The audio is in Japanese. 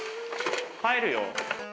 帰るよ。